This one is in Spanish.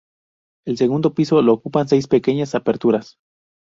El segundo piso lo ocupan seis pequeñas aperturas.